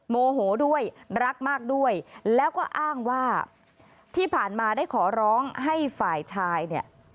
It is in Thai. โมโหด้วยรักมากด้วยแล้วก็อ้างว่าที่ผ่านมาได้ขอร้องให้ฝ่ายชายเนี่ย